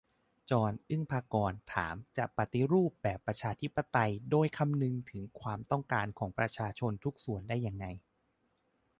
จอน อึ๊งภากรณ์ ถาม จะปฏิรูปแบบประชาธิปไตยโดยคำนึงถึงความต้องการของประชาชนทุกส่วนได้ยังไง ?